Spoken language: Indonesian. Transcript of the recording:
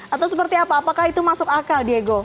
atau seperti apa apakah itu masuk akal diego